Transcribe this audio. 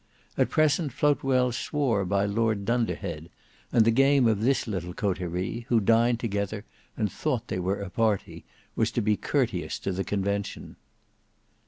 At present, Floatwell swore by Lord Dunderhead; and the game of this little coterie, who dined together and thought they were a party, was to be courteous to the Convention.